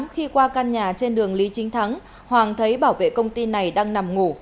khi qua căn nhà trên đường lý chính thắng hoàng thấy bảo vệ công ty này đang nằm ngủ